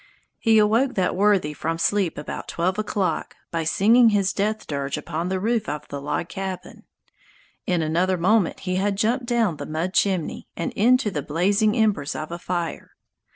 He awoke that worthy from sleep about twelve o'clock by singing his death dirge upon the roof of the log cabin. In another moment he had jumped down the mud chimney, and into the blazing embers of a fire.